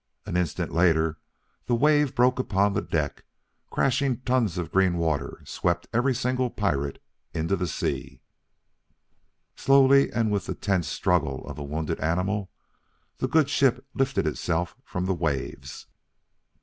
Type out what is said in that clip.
An instant later the wave broke upon the deck, and crashing tons of green water swept every single pirate into the sea. Slowly, and with the tense struggle of a wounded animal, the good ship lifted itself from the waves.